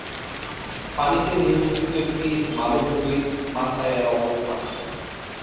পানিতে নিমজ্জিত একটি মালভূমির মাথায় এর অবস্থান।